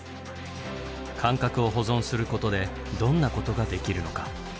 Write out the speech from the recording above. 感覚を保存することでどんなことができるのか。